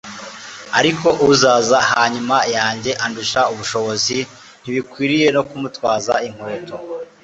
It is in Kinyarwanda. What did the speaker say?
ariko uzaza hanyuma yanjye andusha ubushobozi, ntibinkwiriye no kumutwaza inketo